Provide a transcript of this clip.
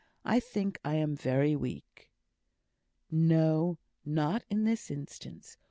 I think I am very weak." "No, not in this instance.